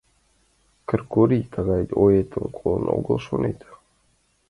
Кыргорий тыгай оетым колын огыл, шонет?